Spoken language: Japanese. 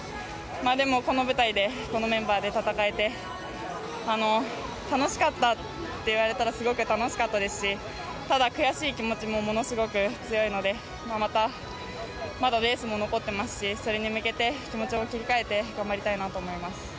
でも、この舞台でこのメンバーで戦えて楽しかったっていわれたらすごく楽しかったですしただ、悔しい気持ちもものすごく強いのでまた、まだレースも残ってますしそれに向けて気持ちを切り替えて頑張りたいなと思います。